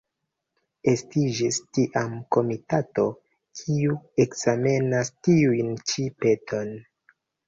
Estiĝis tiam komitato, kiu ekzamenas tiun-ĉi peton.